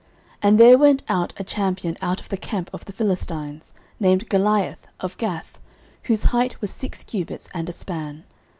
09:017:004 And there went out a champion out of the camp of the Philistines, named Goliath, of Gath, whose height was six cubits and a span.